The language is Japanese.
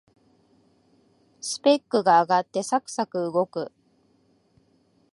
スペックが上がってサクサク動く